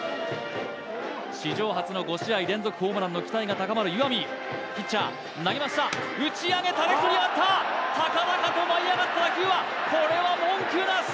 史上初の５試合連続ホームランの期待が高まる岩見ピッチャー投げました打ち上げたレフトに上がった高々と舞い上がった打球はこれは文句なし！